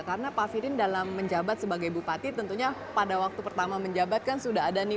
karena pak firin dalam menjabat sebagai bupati tentunya pada waktu pertama menjabat kan sudah ada nih